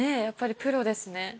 やっぱりプロですね